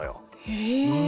へえ。